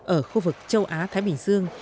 ở khu vực châu á thái bình dương